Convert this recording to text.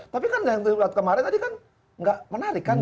tapi kan yang kemarin tadi kan nggak menarik kan